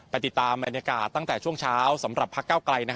ติดตามบรรยากาศตั้งแต่ช่วงเช้าสำหรับพักเก้าไกล